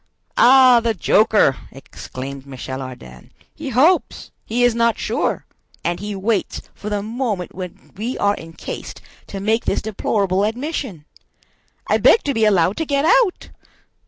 "Ah, the joker!" exclaimed Michel Ardan. "He hopes!—He is not sure!—and he waits for the moment when we are encased to make this deplorable admission! I beg to be allowed to get out!"